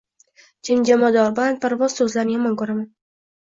Jimjimador, balandparvoz so‘zlarni yomon ko‘raman.